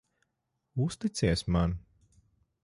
Uzticies man.